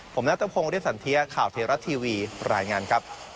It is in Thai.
ผมนัทพงศ์เรียสันเทียข่าวเทราะทีวีรายงานครับ